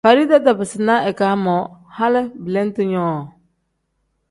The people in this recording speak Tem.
Farida tabiizi na ika moo hali belente nyoo.